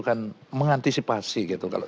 kan mengantisipasi gitu kalau